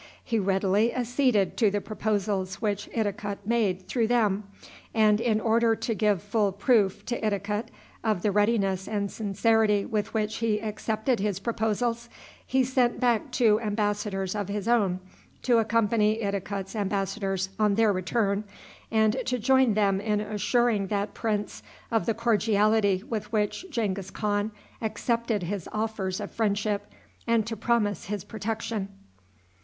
He readily acceded to the proposals which Idikut made through them, and, in order to give full proof to Idikut of the readiness and sincerity with which he accepted his proposals, he sent back two embassadors of his own to accompany Idikut's embassadors on their return, and to join them in assuring that prince of the cordiality with which Genghis Khan accepted his offers of friendship, and to promise his protection.